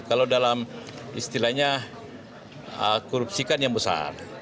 kalau dalam istilahnya korupsi kan yang besar